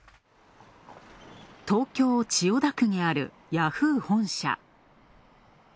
東京・千代田区にあるヤフー本社。